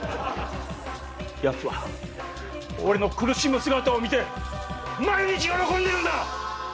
やつは俺の苦しむ姿を見て毎日喜んでるんだ！